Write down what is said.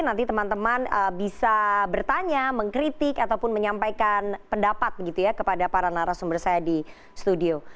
nanti teman teman bisa bertanya mengkritik ataupun menyampaikan pendapat kepada para narasumber saya di studio